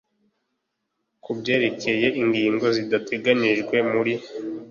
Ku byerekeye ingigno zidateganyijwe muri